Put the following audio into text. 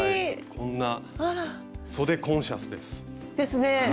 こんなそでコンシャスです。ですね。